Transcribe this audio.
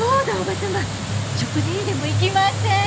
叔母様食事にでも行きません？